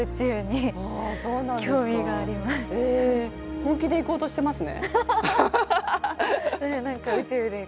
本気で行こうとしてますね？